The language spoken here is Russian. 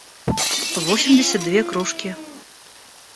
восемьдесят две кружки